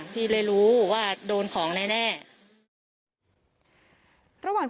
พี่ทีมข่าวของที่รักของ